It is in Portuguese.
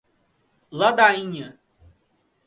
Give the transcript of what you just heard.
Ladainha